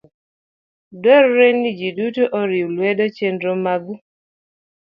Dwarore ni ji duto oriw lwedo chenro ma g